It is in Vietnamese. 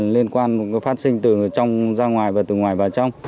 liên quan phát sinh từ trong ra ngoài và từ ngoài vào trong